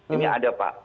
ini ada pak